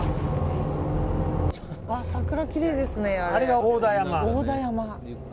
桜、きれいですね。